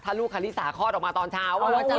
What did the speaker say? ลูกคาริสาคลอดออกมาตอนเช้า